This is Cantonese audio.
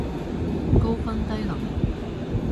高分低能